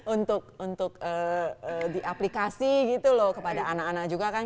untuk diaplikasi gitu loh kepada anak anak juga kan